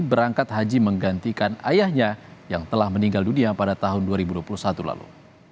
berangkat haji menggantikan ayahnya yang telah meninggal dunia pada tahun dua ribu dua puluh satu lalu